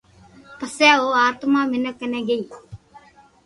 پسو او آتما مينک ڪني گئي